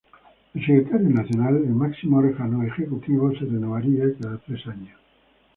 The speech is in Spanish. El secretariado nacional, el máximo órgano ejecutivo, se renovaría cada tres años.